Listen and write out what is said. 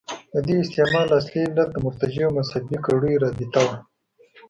د دې استعمال اصلي علت د مرتجعو مذهبي کړیو رابطه وه.